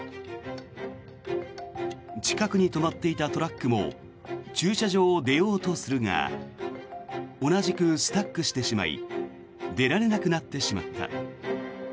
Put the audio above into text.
近くに止まっていたトラックも駐車場を出ようとするが同じく、スタックしてしまい出られなくなってしまった。